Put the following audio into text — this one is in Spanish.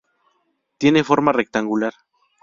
Tiene forma rectangular.